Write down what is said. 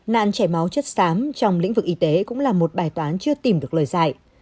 nạn chảy máu chất xám trong lĩnh vực y tế cũng là một bài toán chưa tìm được lời dạy